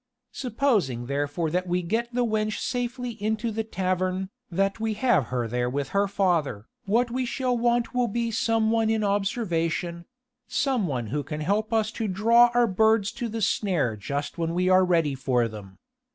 Supposing therefore that we get the wench safely into the tavern, that we have her there with her father, what we shall want will be some one in observation some one who can help us to draw our birds into the snare just when we are ready for them.